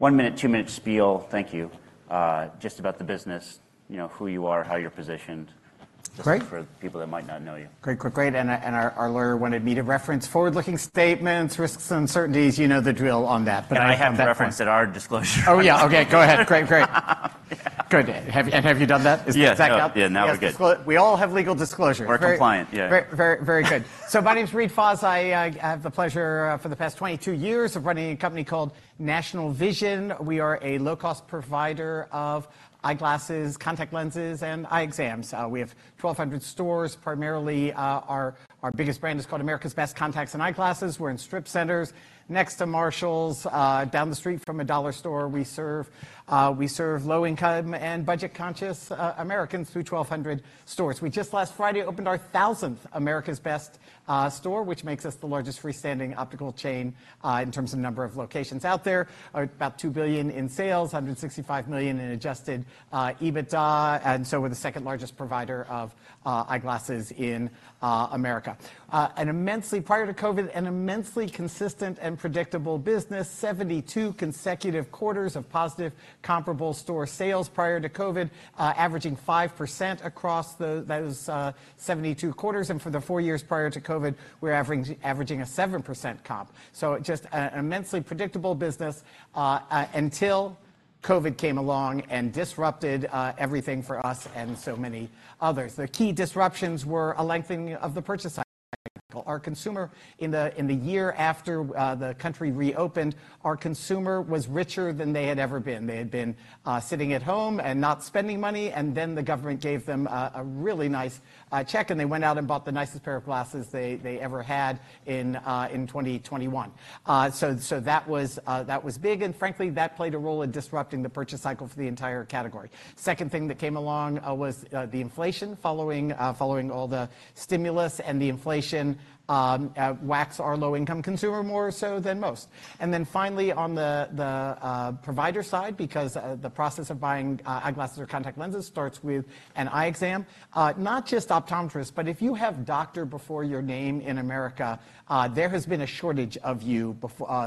1 minute, 2 minutes spiel, thank you. Just about the business, you know who you are, how you're positioned. Great. For people that might not know you. Great, great, great. Our lawyer wanted me to reference forward-looking statements, risks, uncertainties, you know the drill on that. I have referenced at our disclosure. Oh yeah, okay, go ahead. Great, great. Good. And have you done that? Is that exactly? Yeah, now we're good. We all have legal disclosure, correct? We're compliant, yeah. Very good. So my name's Reade Fahs. I have the pleasure for the past 22 years of running a company called National Vision. We are a low-cost provider of eyeglasses, contact lenses, and eye exams. We have 1,200 stores, primarily our biggest brand is called America's Best Contacts and Eyeglasses. We're in strip centers next to Marshalls, down the street from a dollar store. We serve low-income and budget-conscious Americans through 1,200 stores. We just last Friday opened our 1,000th America's Best store, which makes us the largest freestanding optical chain in terms of number of locations out there, about $2 billion in sales, $165 million in adjusted EBITDA, and so we're the second largest provider of eyeglasses in America. Prior to COVID, an immensely consistent and predictable business, 72 consecutive quarters of positive comparable store sales prior to COVID, averaging 5% across those 72 quarters. For the four years prior to COVID, we're averaging a 7% comp. So just an immensely predictable business until COVID came along and disrupted everything for us and so many others. The key disruptions were a lengthening of the purchase cycle. Our consumer in the year after the country reopened, our consumer was richer than they had ever been. They had been sitting at home and not spending money, and then the government gave them a really nice check, and they went out and bought the nicest pair of glasses they ever had in 2021. So that was big, and frankly, that played a role in disrupting the purchase cycle for the entire category. The second thing that came along was the inflation following all the stimulus, and the inflation whacks our low-income consumer more so than most. Finally, on the provider side, because the process of buying eyeglasses or contact lenses starts with an eye exam, not just optometrists, but if you have doctor before your name in America, there has been a shortage of you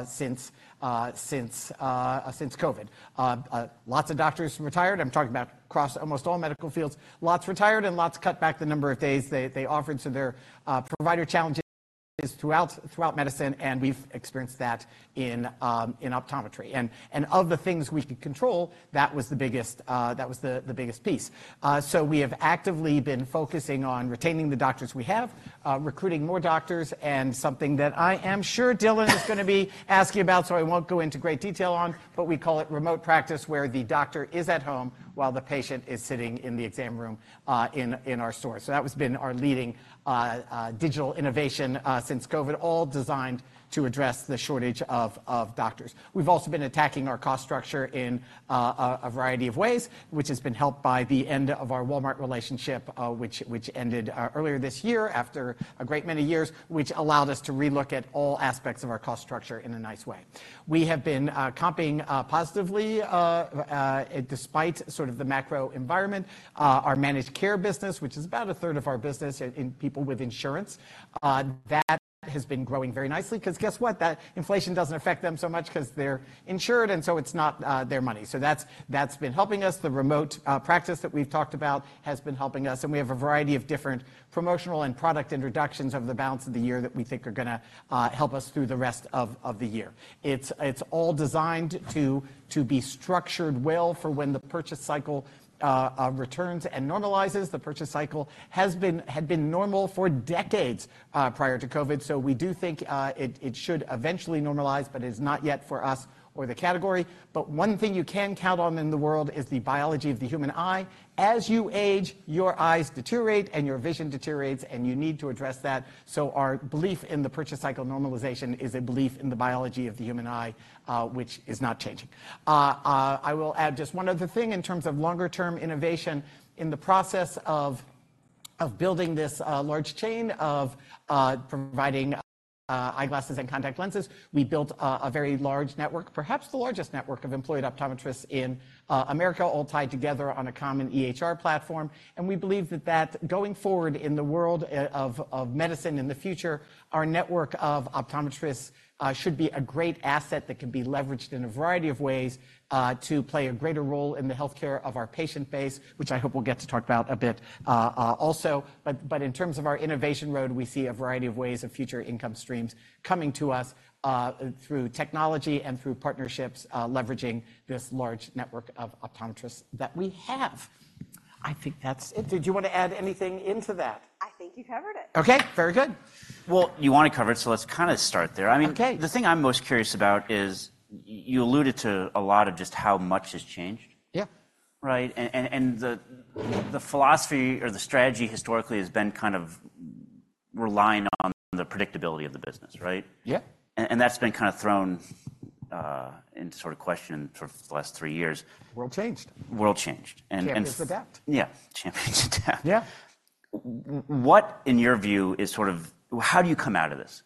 since COVID. Lots of doctors retired, I'm talking about across almost all medical fields, lots retired and lots cut back the number of days they offered. So there are provider challenges throughout medicine, and we've experienced that in optometry. Of the things we could control, that was the biggest piece. So we have actively been focusing on retaining the doctors we have, recruiting more doctors, and something that I am sure Dylan is going to be asking about, so I won't go into great detail on, but we call it remote practice where the doctor is at home while the patient is sitting in the exam room in our store. So that has been our leading digital innovation since COVID, all designed to address the shortage of doctors. We've also been attacking our cost structure in a variety of ways, which has been helped by the end of our Walmart relationship, which ended earlier this year after a great many years, which allowed us to relook at all aspects of our cost structure in a nice way. We have been comping positively despite sort of the macro environment. Our managed care business, which is about a third of our business in people with insurance, that has been growing very nicely because guess what? That inflation doesn't affect them so much because they're insured, and so it's not their money. So that's been helping us. The remote practice that we've talked about has been helping us, and we have a variety of different promotional and product introductions over the balance of the year that we think are going to help us through the rest of the year. It's all designed to be structured well for when the purchase cycle returns and normalizes. The purchase cycle had been normal for decades prior to COVID, so we do think it should eventually normalize, but it's not yet for us or the category. But one thing you can count on in the world is the biology of the human eye. As you age, your eyes deteriorate and your vision deteriorates, and you need to address that. So our belief in the purchase cycle normalization is a belief in the biology of the human eye, which is not changing. I will add just one other thing in terms of longer-term innovation. In the process of building this large chain of providing eyeglasses and contact lenses, we built a very large network, perhaps the largest network of employed optometrists in America, all tied together on a common EHR platform. And we believe that going forward in the world of medicine in the future, our network of optometrists should be a great asset that can be leveraged in a variety of ways to play a greater role in the healthcare of our patient base, which I hope we'll get to talk about a bit also. But in terms of our innovation road, we see a variety of ways of future income streams coming to us through technology and through partnerships leveraging this large network of optometrists that we have. I think that's it. Did you want to add anything into that? I think you covered it. Okay, very good. Well, you want to cover it, so let's kind of start there. I mean, the thing I'm most curious about is you alluded to a lot of just how much has changed. Yeah. Right? And the philosophy or the strategy historically has been kind of relying on the predictability of the business, right? Yeah. That's been kind of thrown into sort of question for the last three years. World changed. World changed. Champions adapt. Yeah, champions adapt. Yeah. What in your view is sort of how do you come out of this?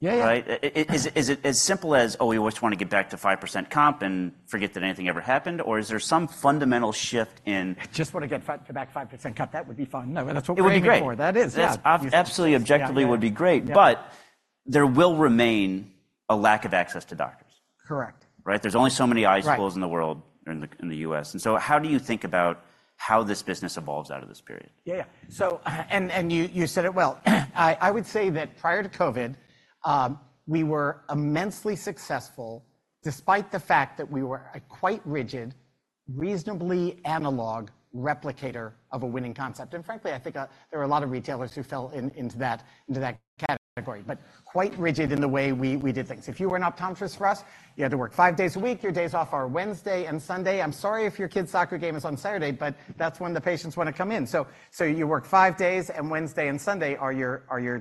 Yeah, yeah. Right? Is it as simple as, oh, we just want to get back to 5% comp and forget that anything ever happened, or is there some fundamental shift in? Just want to get back 5% comp, that would be fine. No, that's what we're looking for. It would be great. That is, yeah. Absolutely, objectively would be great, but there will remain a lack of access to doctors. Correct. Right? There's only so many eye schools in the world, in the U.S. And so how do you think about how this business evolves out of this period? Yeah, yeah. And you said it well. I would say that prior to COVID, we were immensely successful despite the fact that we were a quite rigid, reasonably analog replicator of a winning concept. And frankly, I think there are a lot of retailers who fell into that category, but quite rigid in the way we did things. If you were an optometrist for us, you had to work five days a week. Your days off are Wednesday and Sunday. I'm sorry if your kid's soccer game is on Saturday, but that's when the patients want to come in. So you work five days, and Wednesday and Sunday are your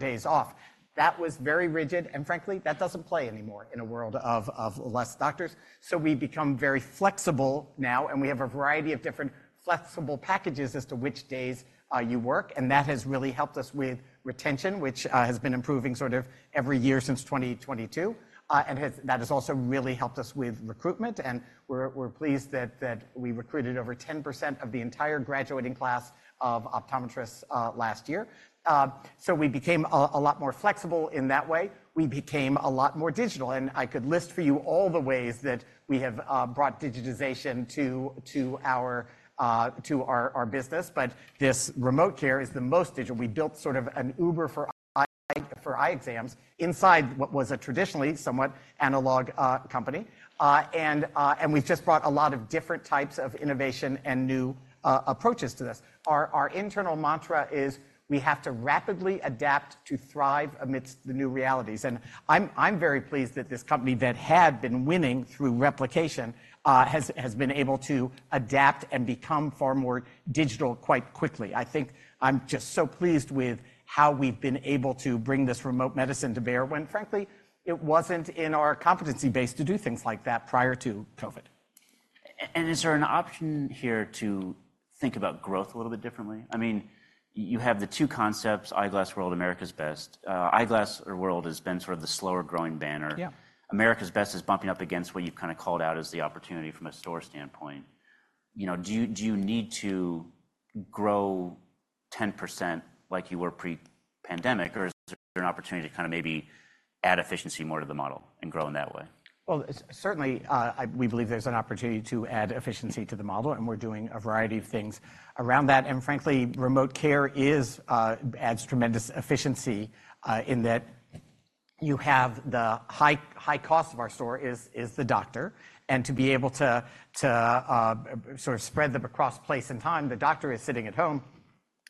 days off. That was very rigid, and frankly, that doesn't play anymore in a world of less doctors. So we've become very flexible now, and we have a variety of different flexible packages as to which days you work, and that has really helped us with retention, which has been improving sort of every year since 2022. And that has also really helped us with recruitment, and we're pleased that we recruited over 10% of the entire graduating class of optometrists last year. So we became a lot more flexible in that way. We became a lot more digital, and I could list for you all the ways that we have brought digitization to our business, but this remote care is the most digital. We built sort of an Uber for eye exams inside what was a traditionally somewhat analog company, and we've just brought a lot of different types of innovation and new approaches to this. Our internal mantra is we have to rapidly adapt to thrive amidst the new realities. And I'm very pleased that this company that had been winning through replication has been able to adapt and become far more digital quite quickly. I think I'm just so pleased with how we've been able to bring this remote medicine to bear when frankly, it wasn't in our competency base to do things like that prior to COVID. Is there an option here to think about growth a little bit differently? I mean, you have the two concepts, Eyeglass World, America's Best. Eyeglass World has been sort of the slower growing banner. America's Best is bumping up against what you've kind of called out as the opportunity from a store standpoint. Do you need to grow 10% like you were pre-pandemic, or is there an opportunity to kind of maybe add efficiency more to the model and grow in that way? Well, certainly, we believe there's an opportunity to add efficiency to the model, and we're doing a variety of things around that. And frankly, remote care adds tremendous efficiency in that you have the high cost of our store is the doctor. And to be able to sort of spread them across place and time, the doctor is sitting at home.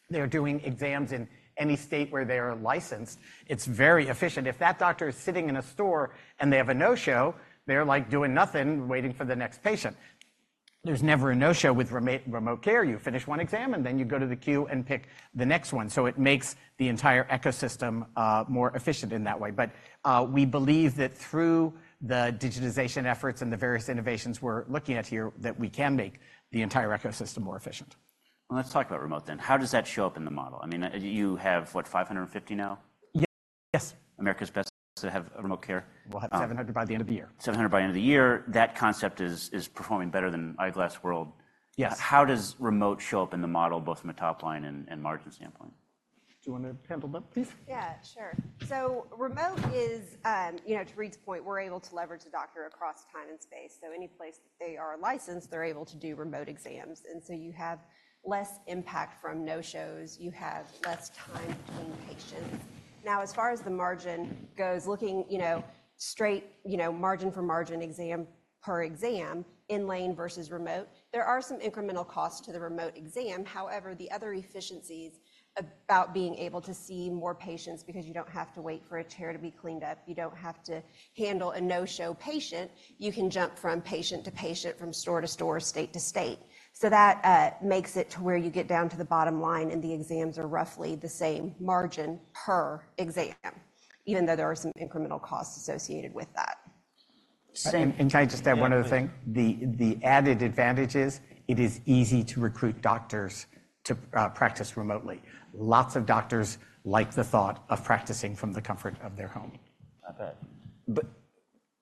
They're doing exams in any state where they're licensed. It's very efficient. If that doctor is sitting in a store and they have a no-show, they're like doing nothing, waiting for the next patient. There's never a no-show with remote care. You finish one exam, and then you go to the queue and pick the next one. So it makes the entire ecosystem more efficient in that way. But we believe that through the digitization efforts and the various innovations we're looking at here that we can make the entire ecosystem more efficient. Well, let's talk about remote then. How does that show up in the model? I mean, you have what, 550 now? Yes. America's Best have remote care? We'll have 700 by the end of the year. 700 by the end of the year. That concept is performing better than Eyeglass World. Yes. How does remote show up in the model, both from a top line and margin standpoint? Do you want to handle that, please? Yeah, sure. So remote is, to Reade's point, we're able to leverage the doctor across time and space. So any place that they are licensed, they're able to do remote exams. And so you have less impact from no-shows. You have less time between patients. Now, as far as the margin goes, looking straight margin for margin exam per exam, in-lane versus remote, there are some incremental costs to the remote exam. However, the other efficiencies about being able to see more patients because you don't have to wait for a chair to be cleaned up, you don't have to handle a no-show patient, you can jump from patient to patient, from store to store, state to state. That makes it to where you get down to the bottom line and the exams are roughly the same margin per exam, even though there are some incremental costs associated with that. Can I just add one other thing? The added advantage is it is easy to recruit doctors to practice remotely. Lots of doctors like the thought of practicing from the comfort of their home.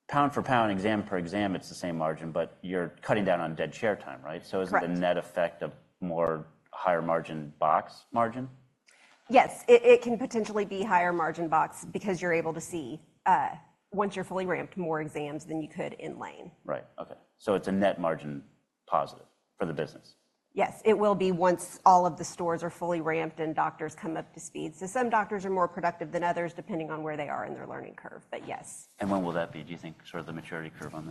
Pound for pound, exam per exam, it's the same margin, but you're cutting down on dead chair time, right? So is it a net effect of more higher margin box margin? Yes, it can potentially be higher margin business because you're able to see, once you're fully ramped, more exams than you could in-line. Right, okay. So it's a net margin positive for the business. Yes, it will be once all of the stores are fully ramped and doctors come up to speed. So some doctors are more productive than others depending on where they are in their learning curve, but yes. When will that be, do you think, sort of the maturity curve on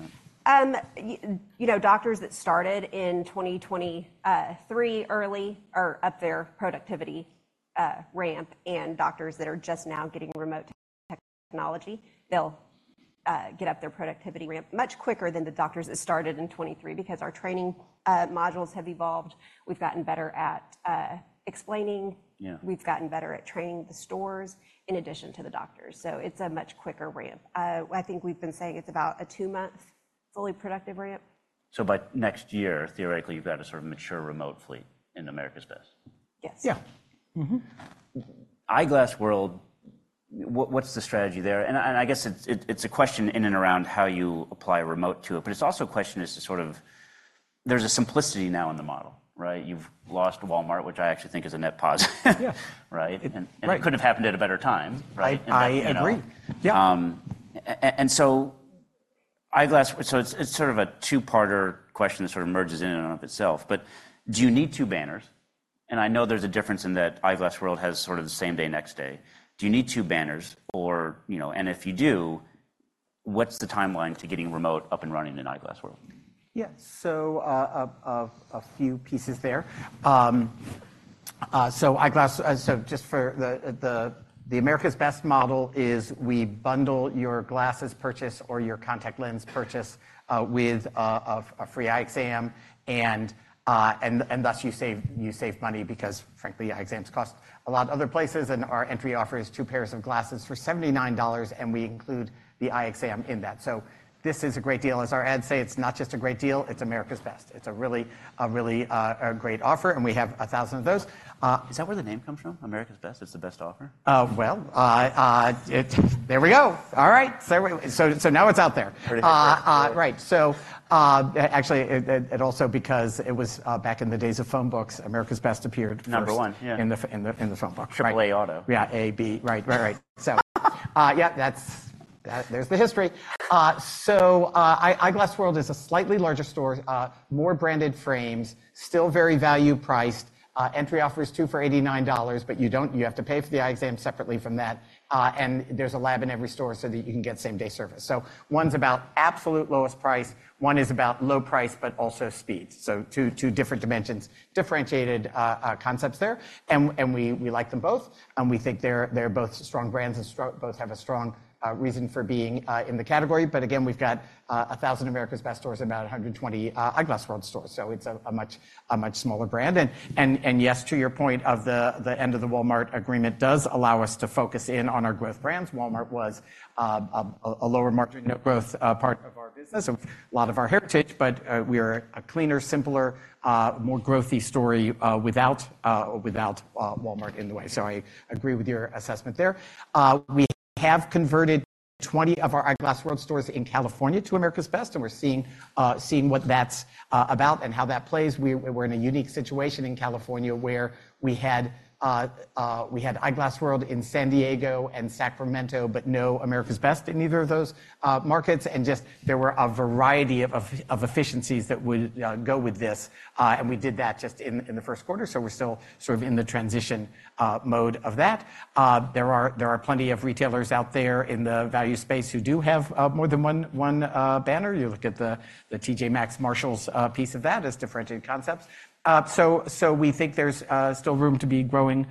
that? Doctors that started in 2023 early are up their productivity ramp, and doctors that are just now getting remote technology, they'll get up their productivity ramp much quicker than the doctors that started in 2023 because our training modules have evolved. We've gotten better at explaining. We've gotten better at training the stores in addition to the doctors. So it's a much quicker ramp. I think we've been saying it's about a two-month fully productive ramp. By next year, theoretically, you've got a sort of mature remote fleet in America's Best. Yes. Yeah. Eyeglass World, what's the strategy there? I guess it's a question in and around how you apply remote to it, but it's also a question as to sort of there's a simplicity now in the model, right? You've lost Walmart, which I actually think is a net positive, right? And it couldn't have happened at a better time, right? I agree. Yeah. So it's sort of a two-parter question that sort of merges in and out of itself. But do you need two banners? And I know there's a difference in that Eyeglass World has sort of the same day, next day. Do you need two banners? And if you do, what's the timeline to getting remote up and running in Eyeglass World? Yeah, so a few pieces there. So just for the America's Best model is we bundle your glasses purchase or your contact lens purchase with a free eye exam, and thus you save money because frankly, eye exams cost a lot of other places, and our entry offers two pairs of glasses for $79, and we include the eye exam in that. So this is a great deal. As our ads say, it's not just a great deal, it's America's Best. It's a really great offer, and we have 1,000 of those. Is that where the name comes from, America's Best? It's the best offer? Well, there we go. All right, so now it's out there. Right. So actually, it also because it was back in the days of phone books, America's Best appeared. Number 1, yeah. In the phone book. AA Auto. Yeah, AB, right, right, right. So yeah, there's the history. So Eyeglass World is a slightly larger store, more branded frames, still very value priced. Entry offers two for $89, but you have to pay for the eye exam separately from that. And there's a lab in every store so that you can get same-day service. So one's about absolute lowest price. One is about low price, but also speed. So two different dimensions, differentiated concepts there. And we like them both, and we think they're both strong brands and both have a strong reason for being in the category. But again, we've got 1,000 America's Best stores and about 120 Eyeglass World stores. So it's a much smaller brand. And yes, to your point of the end of the Walmart agreement does allow us to focus in on our growth brands. Walmart was a lower margin growth part of our business, a lot of our heritage, but we are a cleaner, simpler, more growthy story without Walmart in the way. So I agree with your assessment there. We have converted 20 of our Eyeglass World stores in California to America's Best, and we're seeing what that's about and how that plays. We're in a unique situation in California where we had Eyeglass World in San Diego and Sacramento, but no America's Best in either of those markets. And just there were a variety of efficiencies that would go with this. And we did that just in the first quarter, so we're still sort of in the transition mode of that. There are plenty of retailers out there in the value space who do have more than one banner. You look at the T.J. Maxx Marshalls piece of that as differentiated concepts. So we think there's still room to be growing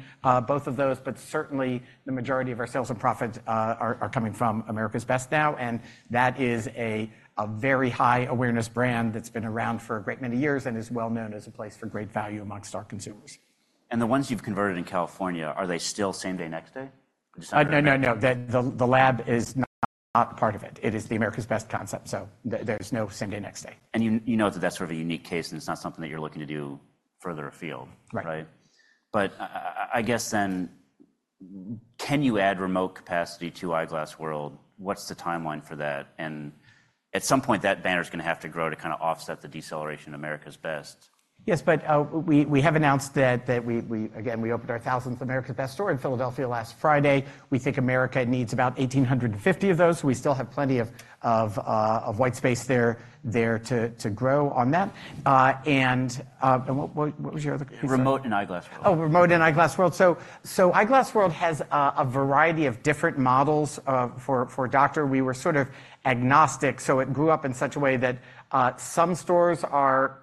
both of those, but certainly the majority of our sales and profits are coming from America's Best now, and that is a very high awareness brand that's been around for a great many years and is well known as a place for great value amongst our consumers. The ones you've converted in California, are they still same day, next day? No, no, no. The lab is not part of it. It is the America's Best concept, so there's no same day, next day. You know that that's sort of a unique case, and it's not something that you're looking to do further afield, right? Right. I guess then, can you add remote capacity to Eyeglass World? What's the timeline for that? At some point, that banner is going to have to grow to kind of offset the deceleration of America's Best. Yes, but we have announced that we, again, we opened our 1,000th America's Best store in Philadelphia last Friday. We think America needs about 1,850 of those. We still have plenty of white space there to grow on that. And what was your other question? Remote and Eyeglass World. Oh, remote and Eyeglass World. So Eyeglass World has a variety of different models for doctor. We were sort of agnostic, so it grew up in such a way that some stores are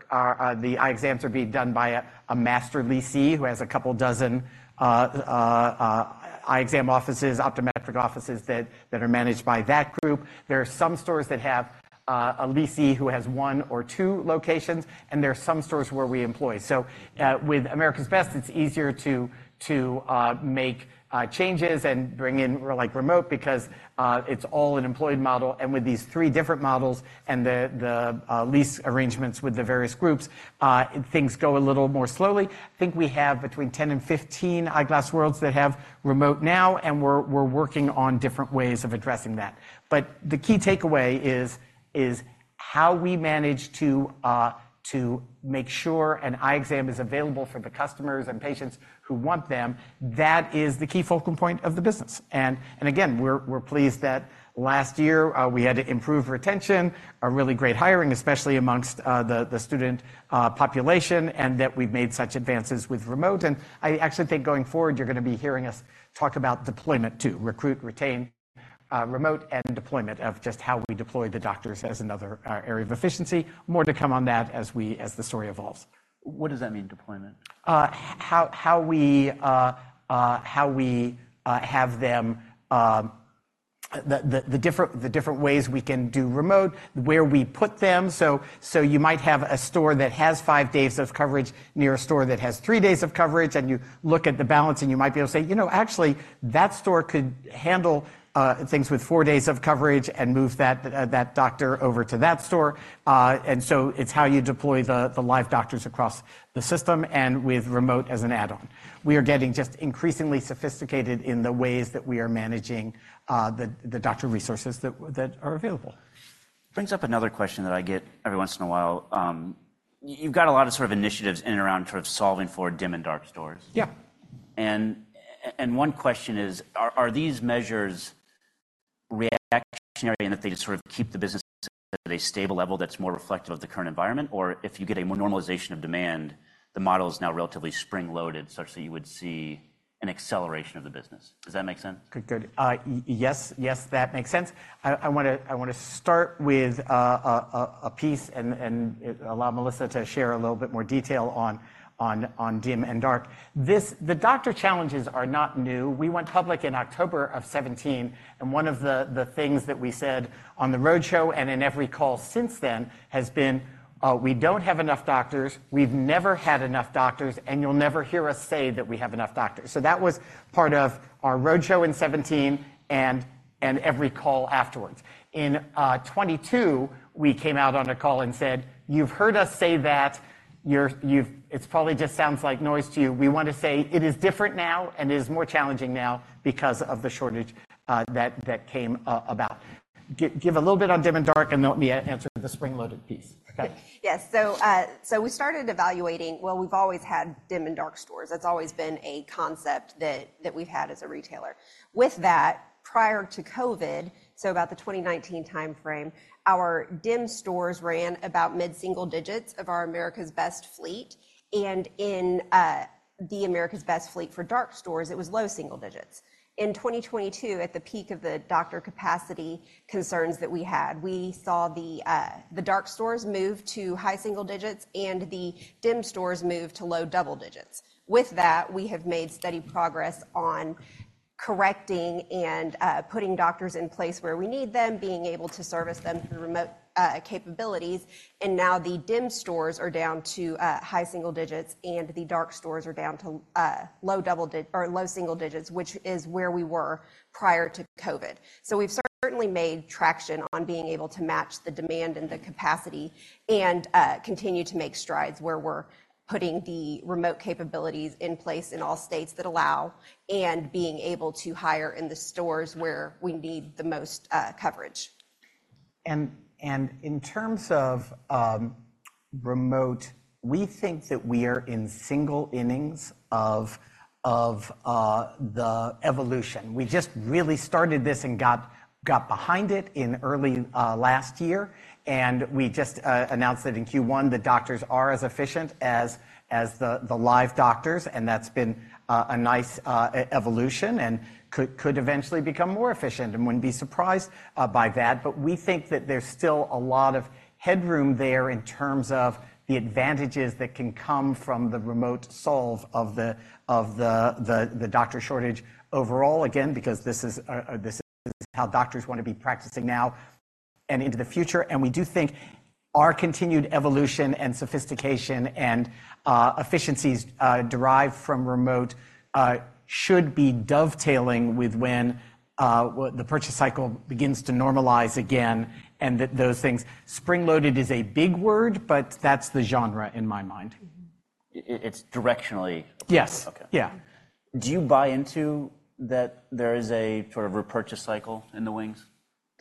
the eye exams are being done by a master lessee who has a couple dozen eye exam offices, optometric offices that are managed by that group. There are some stores that have a lessee who has one or two locations, and there are some stores where we employ. So with America's Best, it's easier to make changes and bring in remote because it's all an employed model. And with these three different models and the lease arrangements with the various groups, things go a little more slowly. I think we have between 10-15 Eyeglass Worlds that have remote now, and we're working on different ways of addressing that. The key takeaway is how we manage to make sure an eye exam is available for the customers and patients who want them. That is the key focal point of the business. Again, we're pleased that last year we had to improve retention, a really great hiring, especially amongst the student population, and that we've made such advances with remote. I actually think going forward, you're going to be hearing us talk about deployment too, recruit, retain, remote, and deployment of just how we deploy the doctors as another area of efficiency. More to come on that as the story evolves. What does that mean, deployment? How we have them, the different ways we can do remote, where we put them. So you might have a store that has five days of coverage near a store that has three days of coverage, and you look at the balance, and you might be able to say, you know, actually, that store could handle things with four days of coverage and move that doctor over to that store. And so it's how you deploy the live doctors across the system and with remote as an add-on. We are getting just increasingly sophisticated in the ways that we are managing the doctor resources that are available. Brings up another question that I get every once in a while. You've got a lot of sort of initiatives in and around sort of solving for dim and dark stores. Yeah. One question is, are these measures reactionary in that they just sort of keep the business at a stable level that's more reflective of the current environment? Or if you get a normalization of demand, the model is now relatively spring-loaded, such that you would see an acceleration of the business. Does that make sense? Good, good. Yes, yes, that makes sense. I want to start with a piece and allow Melissa to share a little bit more detail on dim and dark. The doctor challenges are not new. We went public in October of 2017, and one of the things that we said on the roadshow and in every call since then has been, we don't have enough doctors. We've never had enough doctors, and you'll never hear us say that we have enough doctors. So that was part of our roadshow in 2017 and every call afterwards. In 2022, we came out on a call and said, you've heard us say that. It probably just sounds like noise to you. We want to say it is different now, and it is more challenging now because of the shortage that came about. Give a little bit on dim and dark, and let me answer the spring-loaded piece. Okay. Yes, so we started evaluating. Well, we've always had dim and dark stores. That's always been a concept that we've had as a retailer. With that, prior to COVID, so about the 2019 timeframe, our dim stores ran about mid-single digits of our America's Best fleet. And in the America's Best fleet for dark stores, it was low single digits. In 2022, at the peak of the doctor capacity concerns that we had, we saw the dark stores move to high single digits and the dim stores move to low double digits. With that, we have made steady progress on correcting and putting doctors in place where we need them, being able to service them through remote capabilities. And now the dim stores are down to high single digits, and the dark stores are down to low single digits, which is where we were prior to COVID. We've certainly made traction on being able to match the demand and the capacity and continue to make strides where we're putting the remote capabilities in place in all states that allow and being able to hire in the stores where we need the most coverage. In terms of remote, we think that we are in single innings of the evolution. We just really started this and got behind it in early last year. We just announced that in Q1, the doctors are as efficient as the live doctors, and that's been a nice evolution and could eventually become more efficient. We'd be surprised by that. But we think that there's still a lot of headroom there in terms of the advantages that can come from the remote solve of the doctor shortage overall, again, because this is how doctors want to be practicing now and into the future. We do think our continued evolution and sophistication and efficiencies derived from remote should be dovetailing with when the purchase cycle begins to normalize again and those things. Spring-loaded is a big word, but that's the genre in my mind. It's directionally. Yes, yeah. Do you buy into that there is a sort of repurchase cycle in the wings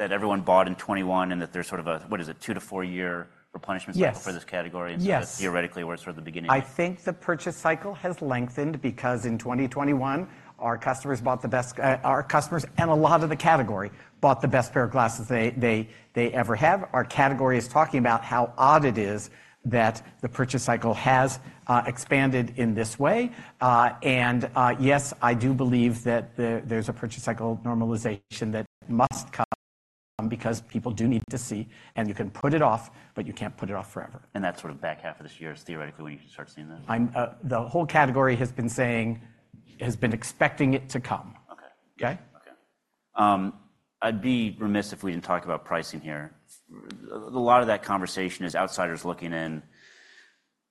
that everyone bought in 2021 and that there's sort of a, what is it, 2-4-year replenishment cycle for this category? Yes. Theoretically, we're sort of at the beginning. I think the purchase cycle has lengthened because in 2021, our customers bought the best, our customers and a lot of the category bought the best pair of glasses they ever have. Our category is talking about how odd it is that the purchase cycle has expanded in this way. Yes, I do believe that there's a purchase cycle normalization that must come because people do need to see, and you can put it off, but you can't put it off forever. That sort of back half of this year is theoretically when you can start seeing that? The whole category has been saying, has been expecting it to come. Okay. Okay? Okay. I'd be remiss if we didn't talk about pricing here. A lot of that conversation is outsiders looking in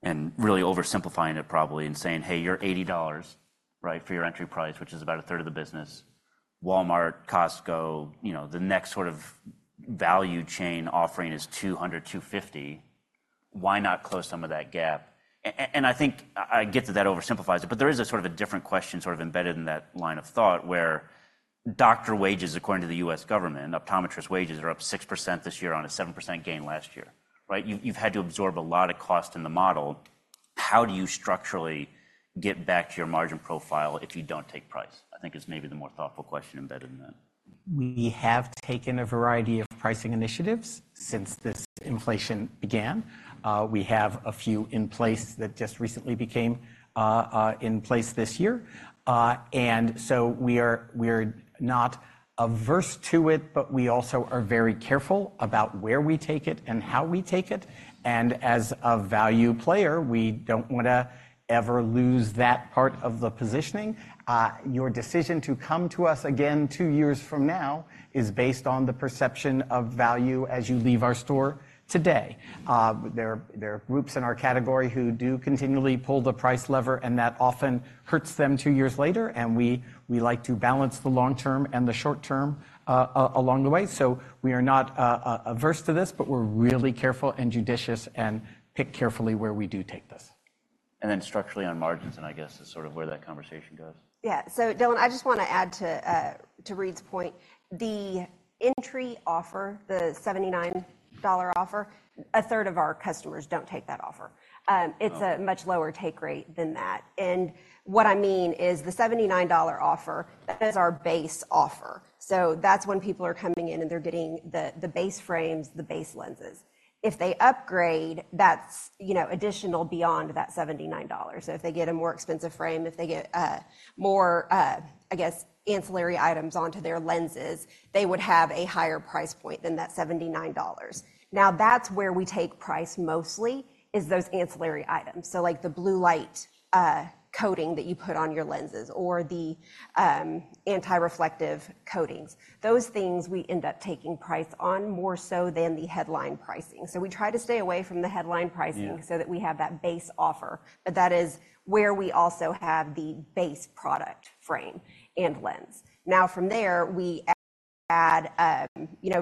and really oversimplifying it probably and saying, "Hey, you're $80 for your entry price, which is about a third of the business." Walmart, Costco, the next sort of value chain offering is $200-$250. Why not close some of that gap? And I think I get that that oversimplifies it, but there is a sort of a different question sort of embedded in that line of thought where doctor wages, according to the U.S. government, optometrist wages are up 6% this year on a 7% gain last year. You've had to absorb a lot of cost in the model. How do you structurally get back to your margin profile if you don't take price? I think it's maybe the more thoughtful question embedded in that. We have taken a variety of pricing initiatives since this inflation began. We have a few in place that just recently became in place this year. So we are not averse to it, but we also are very careful about where we take it and how we take it. As a value player, we don't want to ever lose that part of the positioning. Your decision to come to us again two years from now is based on the perception of value as you leave our store today. There are groups in our category who do continually pull the price lever, and that often hurts them two years later. We like to balance the long term and the short term along the way. We are not averse to this, but we're really careful and judicious and pick carefully where we do take this. And then structurally on margins, and I guess is sort of where that conversation goes. Yeah. So Dylan, I just want to add to Reade's point. The entry offer, the $79 offer, a third of our customers don't take that offer. It's a much lower take rate than that. And what I mean is the $79 offer, that is our base offer. So that's when people are coming in and they're getting the base frames, the base lenses. If they upgrade, that's additional beyond that $79. So if they get a more expensive frame, if they get more, I guess, ancillary items onto their lenses, they would have a higher price point than that $79. Now, that's where we take price mostly is those ancillary items. So like the blue light coating that you put on your lenses or the anti-reflective coatings, those things we end up taking price on more so than the headline pricing. So we try to stay away from the headline pricing so that we have that base offer, but that is where we also have the base product frame and lens. Now, from there, we add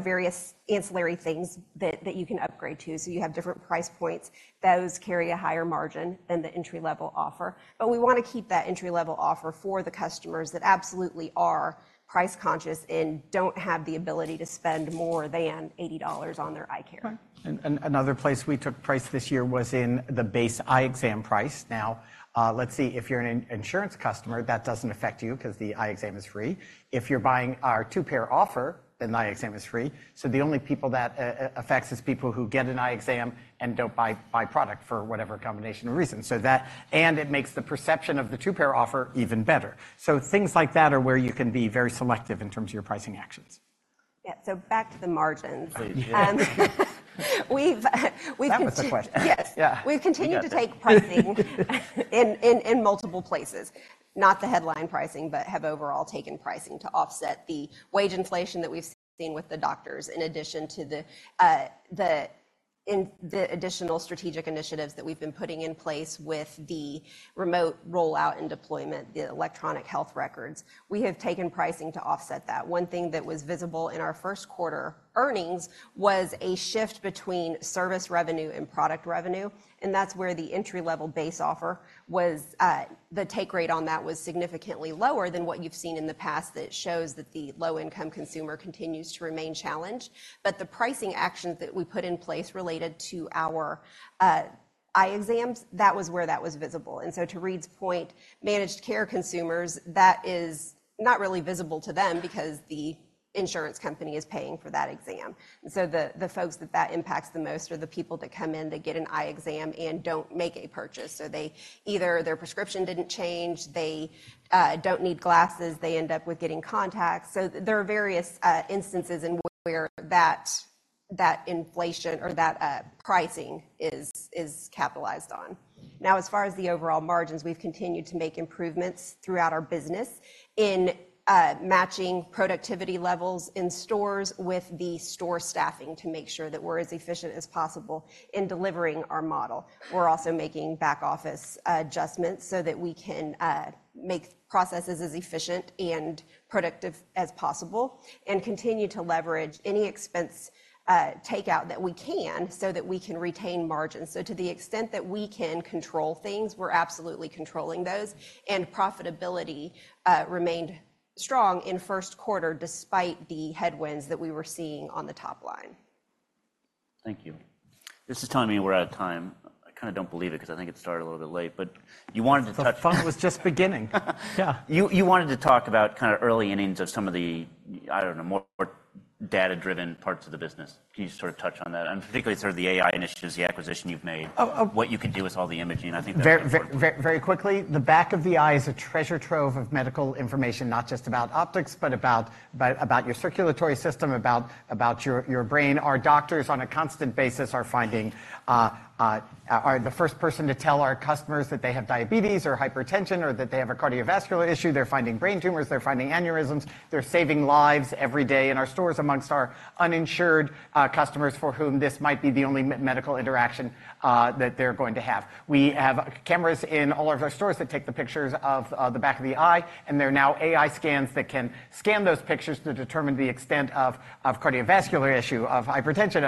various ancillary things that you can upgrade to. So you have different price points. Those carry a higher margin than the entry-level offer. But we want to keep that entry-level offer for the customers that absolutely are price conscious and don't have the ability to spend more than $80 on their eye care. Another place we took price this year was in the base eye exam price. Now, let's see, if you're an insurance customer, that doesn't affect you because the eye exam is free. If you're buying our two-pair offer, then the eye exam is free. So the only people that affects is people who get an eye exam and don't buy product for whatever combination of reasons. So that, and it makes the perception of the two-pair offer even better. So things like that are where you can be very selective in terms of your pricing actions. Yeah. So back to the margins. Please. We've continued. Time for questions. Yes. Yeah. We've continued to take pricing in multiple places, not the headline pricing, but have overall taken pricing to offset the wage inflation that we've seen with the doctors in addition to the additional strategic initiatives that we've been putting in place with the remote rollout and deployment, the electronic health records. We have taken pricing to offset that. One thing that was visible in our first quarter earnings was a shift between service revenue and product revenue. That's where the entry-level base offer was, the take rate on that was significantly lower than what you've seen in the past that shows that the low-income consumer continues to remain challenged. But the pricing actions that we put in place related to our eye exams, that was where that was visible. To Reade's point, managed care consumers, that is not really visible to them because the insurance company is paying for that exam. The folks that that impacts the most are the people that come in to get an eye exam and don't make a purchase. Either their prescription didn't change, they don't need glasses, they end up with getting contacts. There are various instances in where that inflation or that pricing is capitalized on. Now, as far as the overall margins, we've continued to make improvements throughout our business in matching productivity levels in stores with the store staffing to make sure that we're as efficient as possible in delivering our model. We're also making back office adjustments so that we can make processes as efficient and productive as possible and continue to leverage any expense takeout that we can so that we can retain margins. To the extent that we can control things, we're absolutely controlling those. Profitability remained strong in first quarter despite the headwinds that we were seeing on the top line. Thank you. This is telling me we're out of time. I kind of don't believe it because I think it started a little bit late, but you wanted to touch. The fun was just beginning. Yeah. You wanted to talk about kind of early innings of some of the, I don't know, more data-driven parts of the business. Can you sort of touch on that? And particularly sort of the AI initiatives, the acquisition you've made, what you can do with all the imaging. I think that. Very quickly, the back of the eye is a treasure trove of medical information, not just about optics, but about your circulatory system, about your brain. Our doctors on a constant basis are finding, are the first person to tell our customers that they have diabetes or hypertension or that they have a cardiovascular issue. They're finding brain tumors, they're finding aneurysms. They're saving lives every day in our stores amongst our uninsured customers for whom this might be the only medical interaction that they're going to have. We have cameras in all of our stores that take the pictures of the back of the eye, and there are now AI scans that can scan those pictures to determine the extent of cardiovascular issue, of hypertension,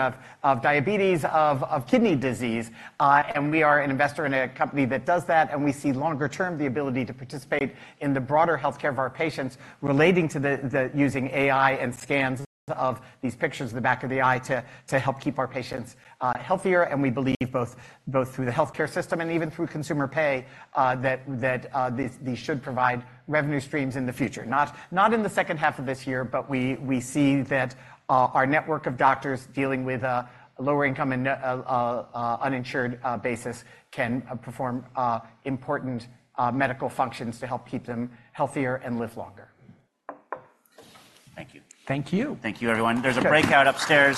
of diabetes, of kidney disease. We are an investor in a company that does that, and we see longer term the ability to participate in the broader healthcare of our patients relating to using AI and scans of these pictures of the back of the eye to help keep our patients healthier. We believe both through the healthcare system and even through consumer pay that these should provide revenue streams in the future. Not in the second half of this year, but we see that our network of doctors dealing with a lower-income and uninsured basis can perform important medical functions to help keep them healthier and live longer. Thank you. Thank you. Thank you, everyone. There's a breakout upstairs.